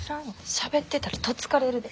しゃべってたらどつかれるで。